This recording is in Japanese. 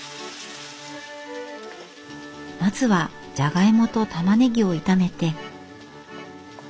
まずはじゃがいもとたまねぎを炒めて。